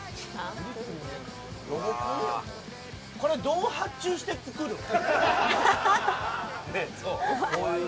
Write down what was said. これどう発注して作るの？